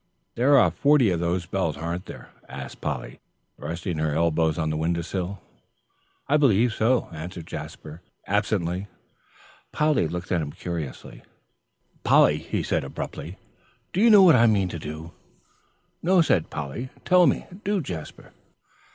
"There are forty of those bells, aren't there?" asked Polly, resting her elbows on the window sill. "I believe so," answered Jasper, absently. Polly looked at him curiously. "Polly," he said abruptly, "do you know what I mean to do?" "No," said Polly; "tell me, do, Jasper."